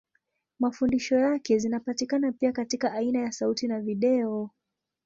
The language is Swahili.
Mafundisho yake zinapatikana pia katika aina ya sauti na video.